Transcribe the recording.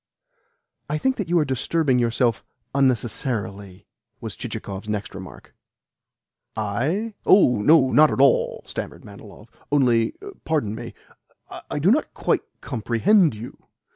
"I think that you are disturbing yourself unnecessarily," was Chichikov's next remark. "I? Oh no! Not at all!" stammered Manilov. "Only pardon me I do not quite comprehend you.